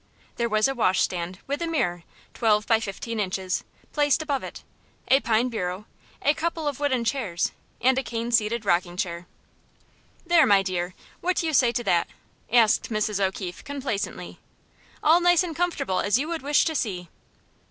There was a washstand, with a mirror, twelve by fifteen inches, placed above it, a pine bureau, a couple of wooden chairs, and a cane seated rocking chair. "There, my dear, what do you say to that?" asked Mrs. O'Keefe, complacently. "All nice and comfortable as you would wish to see."